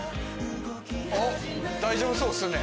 大丈夫そうっすね。